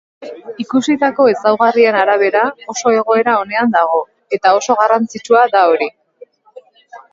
Ikusitako ezaugarrien arabera, oso egoera onean dago eta oso garrantzitsua da hori.